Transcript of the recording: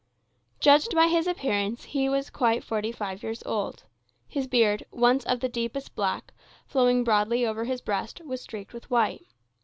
Judged by his appearance, he was quite forty five years old. His beard, once of the deepest black, flowing broadly over his breast, was streaked with white.